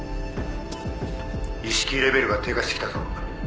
意識レベルが低下してきたぞ。